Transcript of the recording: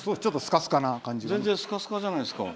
全然スカスカじゃないですか。